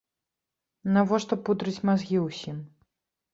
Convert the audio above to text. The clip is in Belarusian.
Навошта пудрыць мазгі ўсім?